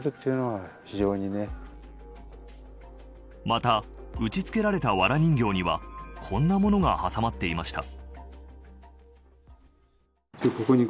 また打ち付けられたわら人形にはこんなものが挟まっていました。